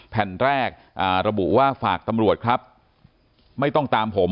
แผ่นแรกระบุว่าฝากตำรวจครับไม่ต้องตามผม